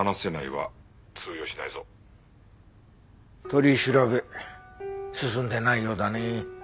取り調べ進んでないようだね。